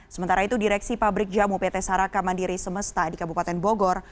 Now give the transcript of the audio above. sementara itu direksi pabrik jamu pt saraka mandiri semesta di kabupaten bogor